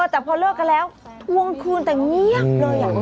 แต่พอเลิกกันแล้วทวงคืนแต่เงียบเลย